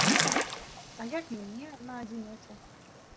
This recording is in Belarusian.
А як мне, на адзіноце?